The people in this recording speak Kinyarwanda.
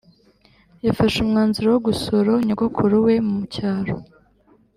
yafashe umwanzuro wo gusuro nyogokuru we mu cyaro